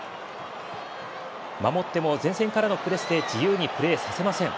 守っても前線からのプレスで自由にプレーさせません。